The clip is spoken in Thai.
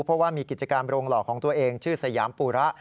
เพราะว่ามีกิจกรรมโรงหล่อของตัวเองชื่อสยามปูระ